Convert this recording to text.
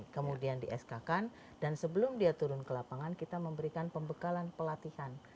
kemudian di sk kan dan sebelum dia turun ke lapangan kita memberikan pembekalan pelatihan